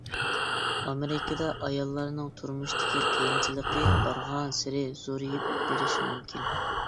ئامېرىكىدا ئاياللارنىڭ تۇرمۇشتىكى قىيىنچىلىقى بارغانسېرى زورىيىپ بېرىشى مۇمكىن.